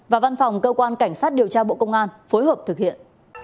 và văn phòng cơ quan cảnh sát điều tra bộ công an phối hợp thực hiện